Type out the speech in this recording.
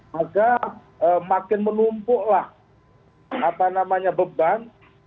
maka makin menumpuklah beban